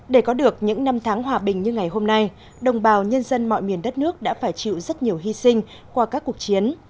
để có được những năm tháng hòa bình như ngày hôm nay đồng bào nhân dân mọi miền đất nước đã phải chịu rất nhiều hy sinh qua các cuộc chiến